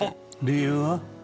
理由は？